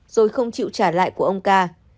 rồi không chịu trả lại của ông ca